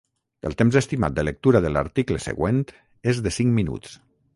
El temps estimat de lectura de l'article següent és de cinc minuts.